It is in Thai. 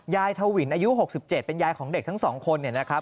ยายเทวินอายุ๖๗เป็นยายของเด็กทั้งสองคนนะครับ